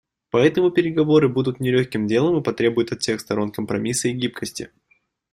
Поэтому переговоры будут нелегким делом и потребуют от всех сторон компромисса и гибкости.